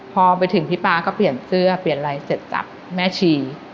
พอไปถึงพี่ป๊าก็เปลี่ยนเสื้อเปลี่ยนอะไรเสร็จจับแม่ชี